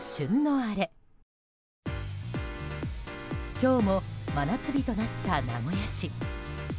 今日も真夏日となった名古屋市。